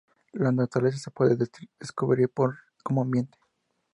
La naturaleza se puede describir como ambiente.